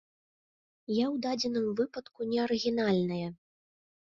Я ў дадзеным выпадку не арыгінальная.